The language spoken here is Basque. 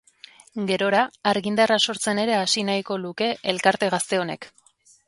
Gerora, argindarra sortzen ere hasi nahiko luke elkarte gazte honek.